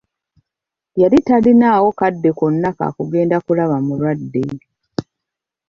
Yali talinaawo kadde konna ka kugenda kulaba mulwadde.